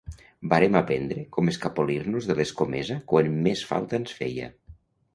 Vàrem aprendre com escapolir-nos de l’escomesa quan més falta ens feia.